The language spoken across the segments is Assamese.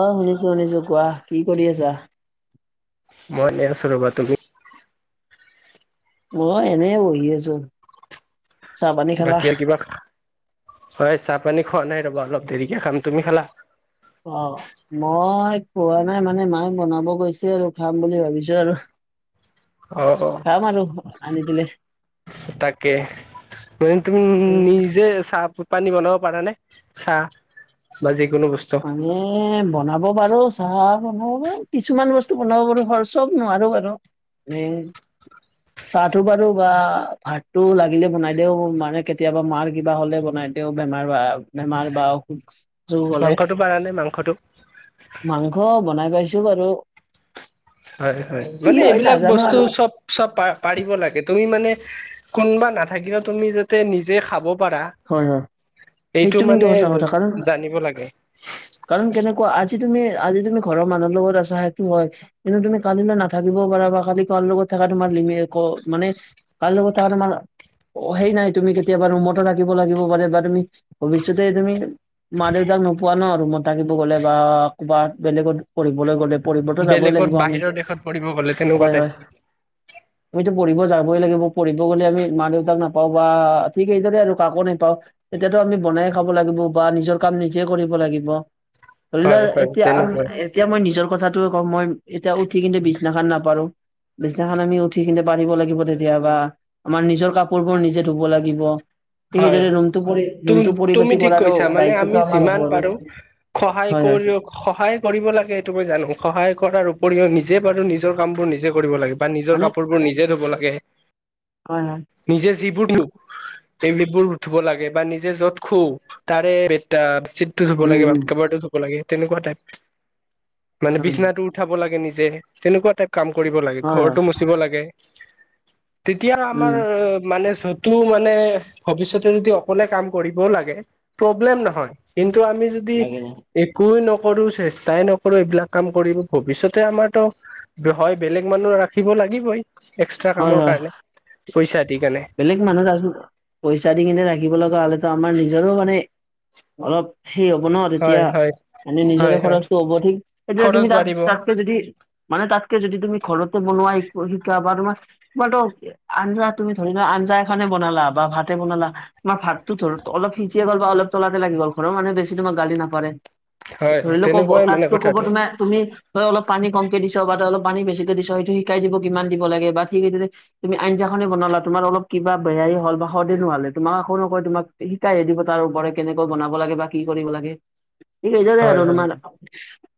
অঁ! শুনিছোঁ-শুনিছোঁ কোৱা, কি কৰি আছা? মই এনেই আছোঁ ৰ'বা। তুমি? মই এনেই বহি আছোঁ। বাকী আৰু কিবা [unintelligible] হয় চাহ পানী খোৱা নাই ৰবা অলপ দেৰিকে খাম। তুমি খালা? অ! মই খোৱা নাই মানে মায়ে বনাব গৈছে আৰু খাম বুলি ভাবিছোঁ আৰু। অ-অ। তোমাৰো আনি দিলে। তাকে, মানে তুমি নিজ যে চাহ পানী বনাব পাৰা নে, চাহ বা যিকোনো বস্তু? মই বনাব পাৰোঁ, চাহ বনাব পাৰোঁ, কিছুমান বস্তু বনাব পাৰোঁ হয় চব নোৱাৰো বাৰু। এনেই চাহটো বাৰু বা ভাতটো লাগিলে বনাই দিওঁ মানে কেতিয়াবা মাৰ কিবা হ'লে বনাই দিওঁ। তেওঁ বেমাৰ বা বেমাৰ বা অসুখ [unintelligible] মাংসটো পাৰা নে মাংসটো? মাংস বনাই পাইছোঁ বাৰু। হয়-হয়, কি মানে হয় এইবিলাক নাজানো বস্তু আৰু চব চব পা-পাৰিব লাগে তুমি মানে কোনোবা নাথাকিলেও তুমি যাতে নিজে খাব পাৰা। হয় হয় এইটো সেইটো কিন্তু মানে সঁচা কথা কাৰণ জানিব লাগে। কাৰণ কেনেকুৱা আজি তুমি, আজি তুমি ঘৰৰ মানুহৰ লগত আছা সেইটো হয় কিন্তু তুমি কালিলৈ নাথাকিবও পাৰা বা কালি কাৰ লগত থকা তোমাৰ লিমিত [unintelligible] মানে কাৰ লগত থাকা তোমাৰ অ সেই নাই তুমি কেতিয়াবা ৰুমত ৰাখিব লাগিব পাৰে বা তুমি ভৱিষ্যতে তুমি মা-দেউতাক নোপোৱা ন ৰুমত থাকিব গ'লে বা ক'ৰবাত বেলেগত পঢ়িবলৈ গ'লে। পঢ়িবটো যাবই বেলেগত লাগিব আমি বাহিৰৰ এতিয়া। দেশত পঢ়িব গ'লে তেনেকুৱা টাইপ হয়-হয়। আমিতো পঢ়িব যাবই লাগিব, পঢ়িব গ'লে আমি মা-দেউতাক নাপাওঁ বা ঠিক এইেদৰে আৰু কাকো নাপাওঁ তেতিয়াতো আমি বনাই খাব লাগিব বা নিজৰ কাম নিজেই কৰিব লাগিব। ধৰি লোৱা হয় হয় এতিয়া আৰু তেনেকুৱাই এতিয়া মই নিজৰ কথাটোৱে কম মই এতিয়া উঠি কিন্তু বিছনাখন নাপাৰো। বিচনাখন আমি উঠি কিনে পাৰিব লাগিব কেতিয়াবা, আমাৰ নিজৰ কাপোৰবোৰ নিজে ধুব লাগিব। ঠিক হয়, সেইদৰে ৰুমটো পৰি ৰুমটো তু-তুমি পৰিপাতি ঠিকে কৰাৰো কৈছা মানে আমি দায়িত্বটো আমাৰ যিমান হ'ব আৰু পাৰোঁ সহায় হয় হয় কৰিও সহায় কৰিব লাগে সেইটো মই জানো, সহায় কৰাৰ উপৰিও নিজে বাৰু নিজৰ কামবোৰ নিজে কৰিব লাগে বা নিজৰ মানে কাপোৰবোৰ নিজে ধুব লাগে। হয় [inaudible] নিজে যিবোৰ নো এই কাপোৰবোৰ ধুব লাগে বা নিজে য'ত শু তাৰে বেদচীটটো ধুব লাগে উম বা উম কভাৰটো ধুব থাকিব লাগে তেনেকুৱা টাইপ মানে হয় হয় বিচনাটো উঠাব লাগে নিজে তেনেকুৱা টাইপ। কাম কৰিব লাগে হয় ঘৰটো হয় মুচিব লাগে তেতিয়া আমাৰ উম মানে চ মানে অফিচতে যদি অকলে কাম কৰিব লাগে প্ৰব্লেম নহয় কিন্তু আমি যদি যদি লাগে একোৱেই নকৰো চেষ্টাই নকৰো এইবিলাক কাম কৰিব ভৱিষ্যতে আমাৰতো হয় বেলেগ মানুহ ৰাখিব লাগিবই এক্সট্ৰা হয় কামৰ হয় কাৰণে পইচা দি কানে। বেলেগ মানুহ পইচা দি কিনে ৰাখিব লগা হ'লেতো আমাৰ নিজৰো মানে অলপ সেই হ'ব ন তেতিয়া হয় হয় মানে নিজৰে হয় হয় খৰচটো হ'ব ঠিক তেতিয়া তুমি খৰচ তাত বাঢ়িব তাতকে যদি মানে তাতকে যদি তুমি ঘৰতে বনোৱা শ শিকোৱা বা তোমাৰটো আঞ্জা তুমি ধৰি লোৱা আঞ্জা এখনে বনালা বা ভাতে বনালা তোমাৰ ভাতটো ধৰত অলপ সিজিয়ে গ'ল বা তলতে লাগি গ'ল ঘৰৰ মানুহে বেছিকে তোমাক গালি নাপাৰে। হয় ধৰি লোৱা তেনেকুৱাই মানে তাতকে ক'ব কথাটো তোমাক তুমি ধৰা অলপ পানী কমকে দিছা বা ত অলপ পানী বেছিকে দিছা সেইটো শিকাই দিব কিমান দিব লাগে বা ঠিক সেইদৰে তুমি আঞ্জাখনে বনালা তোমাৰ অলপ কিবা বেয়াই হল বা সোৱাদে নহলে তোমাক একো নকয় তোমাক শিকাই হে দিব তাৰ ওপৰে কেনেকৈ বনাব লাগে বা কি কৰিব লাগে। সেইদৰে হয় আৰু হয় তোমাৰ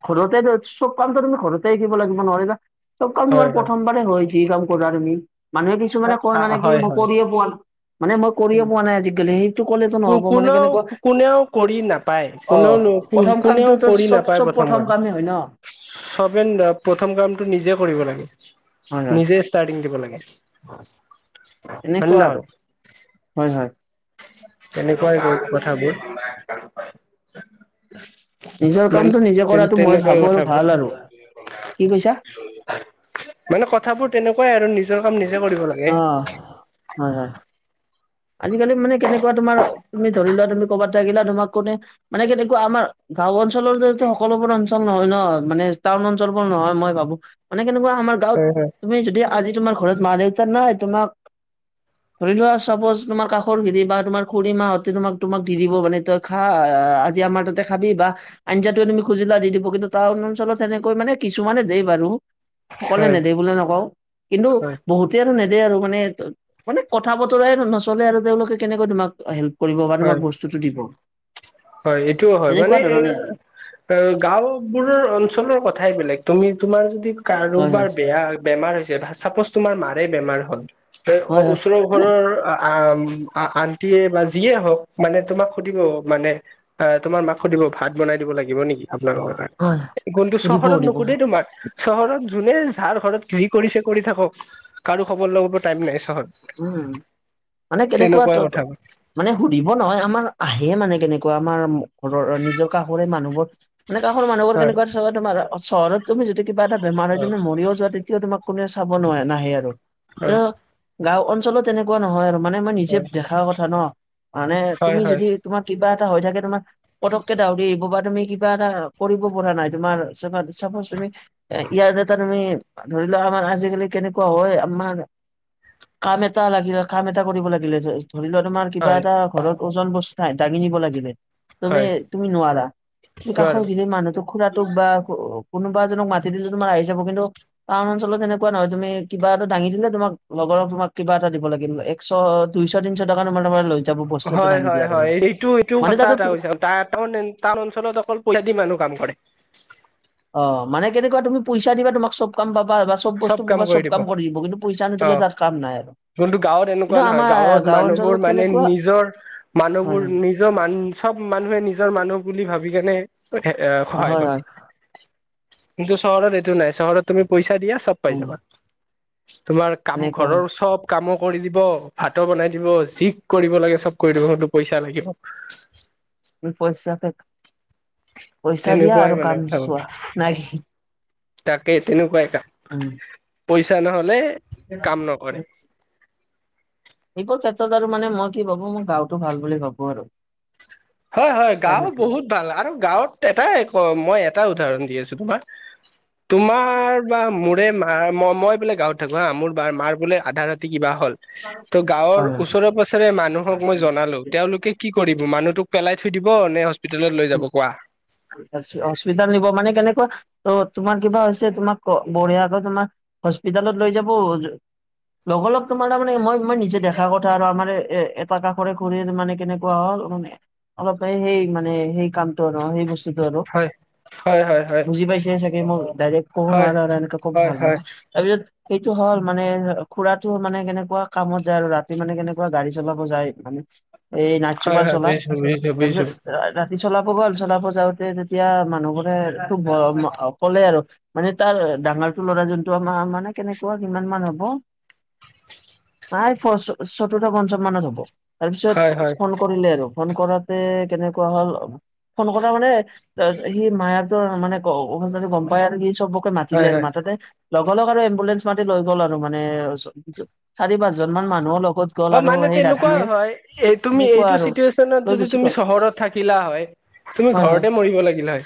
ঘৰতে চব কাম তুমি ঘৰতে শিকিব লাগিব নহলে নোৱাৰিবা। চব কাম তোমাৰ হয় হয় প্ৰথমবাৰে হয় যি কাম কৰা তুমি মানুহে কিছুমানে মই মানে কি হয় মই হয় কৰিয়ে পোৱা নাই, মানে মই কৰিয়ে পোৱা নাই আজিকালি সেই টো কলেটো নহ'ব মানে কোনেও কেনেকুৱা কোনেও কৰি নাপায় অ কোনেও প্ৰথম কোনেও কামটোটো চব চব প্ৰথম কামেই হয় ন। চবেই প্ৰথম কামটো নিজে কৰিব লাগে। হয় হয়। নিজেই ষ্টাৰ্টিং দিব লাগে। হয় নে এনেকুৱা নহয় আৰু হয় হয়। তেনেকুৱাই হয় কথাবোৰ। নিজৰ মানে কামটো নিজে কৰাটো মই তেনেকুৱাই ভাবো আৰু কথাবোৰ ভাল আৰু, কি কৈছা? মানে কথাবোৰ তেনেকুৱাই আৰু নিজৰ কাম নিজে কৰিব লাগে। অ হয় হয়। আজিকালি মানে কেনেকুৱা তোমাৰ তুমি ধৰি লোৱা তুমি ক'বাত থাকিলা তোমাক কোনে মানে কেনেকুৱা আমাৰ গাও অঞ্চলৰ যে সকলোবোৰ অঞ্চল নহয় ন মানে টাউন অঞ্চলবোৰ নহয় মই ভাবো। মানে কেনেকুৱা আমাৰ গাঁওত হয় হয় তুমি যদি আজি তোমাৰ ঘৰত মা দেউতা নাই তোমাক ধৰি লোৱা চাপ'জ তোমাৰ কাষৰ খিৰি বা তোমাৰ খুড়ী মাহঁতে তোমাক তোমাক দি দিব মানে তই খা আজি আমাৰ তাতে খাবি বা আঞ্জাটো তুমি খুজিলা দি দিব, কিন্তু টাউন অঞ্চলত তেনেকৈ মানে কিছুমানে দেই বাৰু। সকলোৱে হয় নেদে বুলি নকওঁ, কিন্তু হয় বহুত সিহঁতে আৰু নেদে আৰু মানে মানে কথা বতৰাই নচলে আৰু তেওঁলোকে কেনেকৈ তোমাক হেল্প কৰিব বা হয় তোমাক বস্তুটো দিব। হয় এইটোও হয় এনেকুৱা মানে ধৰণে আৰু গাওবোৰৰ অঞ্চলৰ কথাই বেলেগ তুমি তোমাৰ যদি হয় হয় কাৰোবাৰ বেয়া বেমাৰ হৈছে, চাপ'জ তোমাৰ মাৰে বেমাৰ হ'ল হয় হয় ওচৰৰ মানে ঘৰৰ আ আন্টিয়ে বা যিয়ে হওক মানে তোমাক সুধিব মানে আ তোমাৰ মাক সুধিব ভাত বনাই দিব লাগিব নেকি আপোনালোকৰ হয় কাৰণে? কিন্তু সুধিব চহৰত সুধিব নোসোধে তোমাক। চহৰত যোনে যাৰ ঘৰত যি কৰিছে কৰি থাকক, কাৰোঁ খবৰ লবৰ টাইম নাই চহৰত। উম, মানে কেনেকুৱা তেনেকুৱা ত কথা হয় মানে সুধিব নহয়। আমাৰ আহে মানে কেনেকুৱা আমাৰ ঘৰৰ নিজৰ কাষৰে মানুহঘৰ। মানে কাষৰ মানুহবোৰ কেনেকুৱা হয় চাবা চহৰত তুমি যদি কিবা এটা বেমাৰ হয়। তুমি মৰিয়ো যোৱা তে তেতিয়াও তোমাক কোনোৱে চাব নোৱাৰে নাহে আৰু কিন্তু হয় গাওঁ অঞ্চলত তেনেকুৱা নহয় আৰু মানে মই নিজে হয় দেখা কথা ন, মানে হয় তুমি হয় যদি তোমাৰ কিবা এটা হৈ থাকে। তোমাৰ পটকে দৌৰি আহিব বা তুমি কিবা এটা কৰিব পৰা নাই তোমাৰ চাবা চাপোউচ তুমি এ ইয়াৰ দঙটা তুমি ধৰি লোৱা আমাৰ আজিকালি কেনেকুৱা হয়। আমাৰ কাম এটা লাগিলে, কাম এটা কৰিব লাগিলে ধৰি লোৱা তোমাৰ কিবা হয় এটা। ঘৰত ওজন বস্তু দাঙি নিব লাগিলে। তুমি হয় তুমি নোৱাৰা, তুমি কাষৰ নোৱাৰো গেই মানুহটোক খুৰাটোক বা অ' কোনোবা এজনক মাতি দিলে তোমাৰ আহি যাব। কিন্তু টাউন অঞ্চলত তেনেকুৱা নহয়। তুমি কিবা এটা দাঙি দিলে তোমাক লগৰ তোমাক কিবা এটা দিব লাগিব। একশ দুইশ তিনিশ টকা তোমাৰ তাৰমানে লৈ যাব বস্তু এটা হয়, দাঙি হয়, দিয়াৰ বাবে হয়। এইটো এইটো মানে সঁচা তাতে কথা কৈছা। তাৰ টাউন হেন টাউন অঞ্চলত অকল পইচা দি মানুহ কাম কৰে। অ' মানে কেনেকুৱা তুমি পইচা দিবা তোমাক চ'ব কাম পাবা বাচ্ছ চ'ব বস্তু পাব চ'ব কাম কৰি দিব। কিন্তু পইচা অ নিদিলে তাত কাম নাই আৰু যোনটো গাঁৱত এনেকুৱা কিন্তু নহয়। আমাৰ গাঁৱত গাঁও মানুহবোৰ অঞ্চলত মানে কেনেকুৱা নিজৰ হয় মানুহবোৰ নি নিজৰ মান চ'ব মানুহে নিজৰ মানুহ বুলি ভাবি কেনে এই সহায় হয় কৰে, হয় কিন্তু চহৰত এইটো নাই চহৰত তুমি পইচা দিয়া চ'ব পাই উম। যাবা। তোমাৰ কাম এনেকুৱাই ঘৰৰ চ'ব কামো কৰি দিব, ভাতো বনাই দিব যি কৰিব লাগে চ'ব কৰি দিব, সেইটো পইচা লাগিব। পইছা ফেক, পইচা দিয়া তেনেকুৱাই আৰু মানে কাম কথা চোৱা নাই তাকে তেনেকুৱাই কাম। উম। পইচা নহ'লে কাম নকৰে। এইকন ক্ষেত্ৰত আৰু মানে মই কি ভাবোঁ মোৰ গাঁওটো ভাল বুলি ভাবোঁ আৰু হয়, হয়, গাঁও বহুত ভাল আৰু গাঁৱত এটাই ক মই এটা উদাহৰণ দি আছোঁ তোমাক, তোমাৰ বা মোৰে মা মা মই বোলে গাঁৱত থাকোঁ হা মোৰ মাৰ বোলে আধা ৰাতি কিবা হ'ল তোৰ গাঁৱৰ হয় হয়। ওচৰৰে পাজৰে মানুহক মই জনালোঁ। তেওঁলোকে কি কৰিব মানুহটোক পেলাই থৈ দিব নে হস্পিতেলত লৈ যাব কোৱা? হস্পিতাল নিব মানে কেনেকৈ অ' তোমাৰ কিবা হৈছে তোমাক বঢ়িয়াকৈ তোমাক হস্পিতালত লৈ যাব। লগৰ লগ তোমাৰ তাৰ মানে মই মই নিজে দেখা কথা আৰু আমাৰ এ এটা কাষৰে ঘৰেৰ মানে কেনেকে বহল অলপ সেই মানে সেই কামতো আৰু সেই বস্তুতো আৰু হয় হয় হয় হয় বুজি পাইছে চাগে? মোক ডাইৰেক্ট ক'ব হয় নোৱাৰা আৰু এনেকে ক'ব হয় ভাল হয় নহয়। তাৰপিছত সেইটো হ'ল, মানে খুৰাটো মানে কেনেকুৱা কামত যায় আৰু ৰাতি মানে কেনেকুৱা গাড়ী চলাব যায় মানে, এই নাইট হয় চুপাৰ হয় চলাই। বুজিছো বুজিছো বুজিছো তাৰপিছত যদি চলাব গ'ল, চলাব যাওঁতে তেতিয়া মানুহবোৰে ক'লে আৰু মানে তাৰ ডাঙৰটো ল'ৰা জোনটো আমাৰ মানে কেনেকুৱা কিমান মান হ'ব? প্ৰায় ফৰ চতুৰ্থ পঞ্চম মানত হ'ব। হয় তাৰপিছত হয় ফোন কৰিলে আৰু ফোন কৰাতে কেনেকুৱা হ'ল। ফোন কথা মানে সি মায়াকৰ মানেদি গম পায় আৰু সি চব, কৈ মাতিলে হয় আৰু হয় মাতাতে লগা লগ আৰু এম্বুলেন্ঞ্চ মাতি লৈ গ'ল আৰু মানে চাৰি পাঁচজন মান মানুহৰ লগত। গ'ল হয় আৰু মানে সেই তেনেকুৱা ৰাতিয়ে হয়, এই তুমি এনেকুৱা এইটো আৰু চিটুৱেচনত লৈ যদি গুচি তুমি গ'ল চহৰত- থাকিলা হয়, তুমি হয় হয় ঘৰতে মৰিব লাগিল হয়।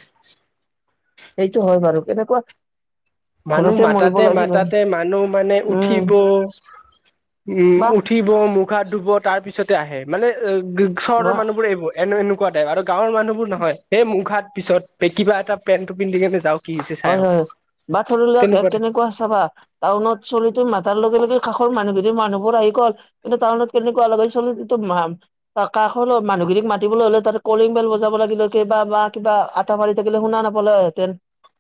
সেইটো হয় বাৰু। কেনেকুৱা মানুহ ঘৰতে মৰিব মাতাতে লাগিল হয় মাতাতে মানুহ মানে উম উঠিব, উম বা উঠি ব মুখ হাত ধুব তাৰ পিছতে আহে, মানে চহৰৰ বা মানুহবোৰে এইবোৰ। এনে এনেকুৱা টাইপ, আৰু গাঁৱৰ মানুহোৰ নহয় এই মুখ হাত পিছত কিবা এটা পেণ্টটো পিন্ধি কেনে যাওঁ। কি দিছে চাই হয় হয় আহক। বা ধৰি লাক কেনেকুৱা চাবা, টাউনত ছোৱালীটো মাতাৰ লগে লগে কাষৰ মানুহ দুদৰ মানুহবোৰ আহি গ'ল। কিন্তু তাউনত কেনেকুৱা লাগে ছোৱালী টো [unintelligible] ত কাষৰ মানুহখিনিক মাতিবলৈ হ'লে তাতে কলিং বেল বজাব লাগিলে, কেবা বা কিবা পোৱালি মাৰি থাকিলে শুনা নাপালে হয় তে-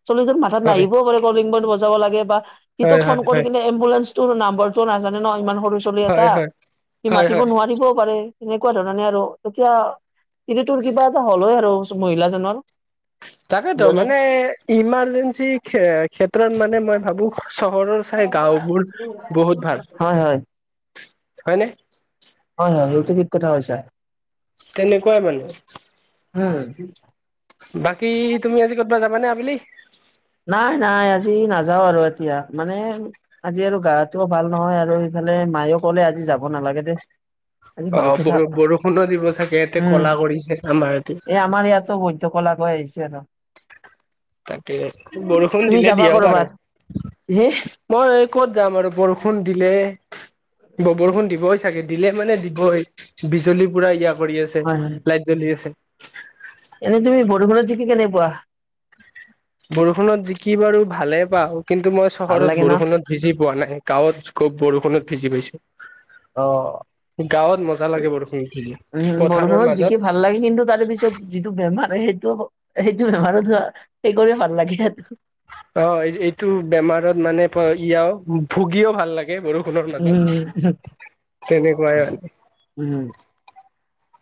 চলি য মাথাত হয় নাহিবও পাৰে কলিং ব বজাব লাগে, বা সিটো হয় হয় ফোন কৰি হয় কিনে- এম্বুলেঞ্চটোৰ নাম্বৰটো নাজানে ন, ইমান সৰু ছোৱালী এটা, হয় হয় সি হয় মাতিব হয় নোৱাৰিবও পাৰে। তেনেকুৱা ধৰণে আৰু। তেতিয়া তেতিয়া তোৰ কিবা এটা হলই আৰু মহিলাজনৰ। তাকেতো, মানে জনীৰ ইমাৰ্জেঞ্চি ক্ষে ক্ষেত্ৰত মানে- মানে মই ভাবো চহৰৰ চাই হয় গাওবোৰ বহুত ভাল। হয় হয়নে? হয় হয়, সেইটো ঠিক কথা কৈছা। তেনেকুৱাই মানে। উম। বাকী তুমি আজি ক'তবা যাবানে আবেলি? নাই নাই আজি নাযাও আৰু এতিয়া মানে, আজি আৰু গাটো ভাল নহয়, আৰু হেফালে মাইও ক'লে আজি যাব নালাগে দে। আজি অ ঘৰতে বৰ থাক, বৰষুণো দিব চাগে ইয়াতে উম ক'লা কৰিছে আমাৰ ইয়াতে এই আমাৰ ইয়াতো ব- ত কলা কৈ আহিছে আৰু। তাকে, বৰষুণ তুমি দিলে যাবা দিয়ক কৰ'বাত আৰু। হে মই এই ক'ত যাম আৰু বৰষুণ দিলে। বৰষুণ দিবই চাগে, দিলে মানে দিবই, বিজুলী পুৰা ইয়া কৰি আছে। হয় লাইট জ্বলি আছে। এনেই তুমি বৰষুণত যিকি কেনে পোৱা? বৰষুণত যিকি বাৰু ভালে পাওঁ, কিন্তু মই ভাল চহৰত লাগে ন বৰষুণত- ভিজি পোৱা নাই, গাঁৱত খুব বৰষুণত ভিজি পাইছো। অ গাঁৱত মজা লাগে বৰষুণ ভিজি, উম পথাৰৰ বৰষুণত জিকি মাজত। ভাল লাগে, কিন্তু তাৰে পিছত যিটো বেমাৰ সেইটো সেইটো বেমাৰত হোৱা। সেই কৰিও ভাল লাগে আৰু। অ, এইটো বেমাৰত মানে ইয়াও ভুগিও ভাল লাগে বৰষুণ - নৰ মাজত, উম তেনেকুৱাই আৰু উম।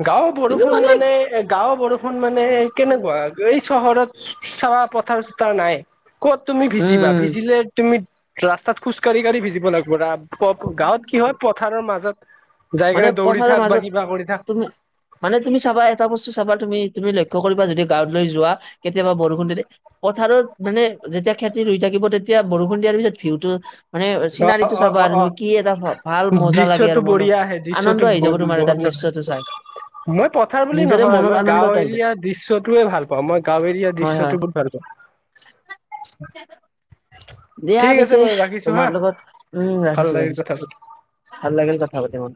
গাঁওৰ বৰষুণ মানে, এ গাঁৱৰ বৰষুণ মানে কেনেকুৱা? এই চহৰত চাবা পথাৰ চথাৰ নাই, ক'ত তুমি ভিজিবা। উম, ভিজিলে তুমি, ৰাস্তাত খোজ কাঢ়ি-কাঢ়ি ভিজিব লাগিব পৰা, গাঁৱত কিহৰ প পথাৰৰ মাজত, যাই মানে কেনে দৌৰি পথাৰৰ থাক বা মাজত কিবা কৰি থাক। তুমি মানে তুমি চাবা, এটা বস্তু চাবা তুমি তুমি লক্ষ্য কৰিবা, যদি গাঁৱলৈ যোৱা কেতিয়াবা বৰষুণ দিলে পথাৰত মানে যেতিয়া খেতি ৰুই থাকিব, তেতিয়া বৰষুণ দিয়াৰ পিছত ভিউটো মানে অ চিনাৰীটো অ চাবা অ আৰু অ তুমি কি এটা ভাল মজা লাগে দৃশ্যটো আৰু মনত। বঢ়িয়া আহে দৃশ্যটো আনন্দ আহি যাব, তোমাৰ তাৰ বহুত। দৃশ্যটো চাই। মই পথাৰ বুলি নিজৰে নহয়, মনত মই আনন্দ গাওঁ এটা আহি যাব এৰিয়াৰ দৃশ্যটোৱে ভাল পাওঁ। মই গাওঁ এৰিয়া হয় হয় দৃশ্যটো ব হু ভাল পাওঁ। দিয়া ঠিক আছে পিছে, বাৰু ৰাখিছো হা তোমাৰ লগত উম ভাল ৰাখিছো লাগিল ৰাখিছো, কথা পাতি ভাল লাগিল কথা পাতি মোৰ।